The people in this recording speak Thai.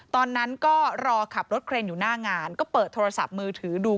ตอนนั้นก็รอขับรถเครนอยู่หน้างานก็เปิดโทรศัพท์มือถือดู